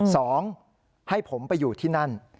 สองให้ผมไปอยู่ที่นั่น